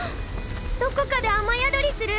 どこかで雨宿りする？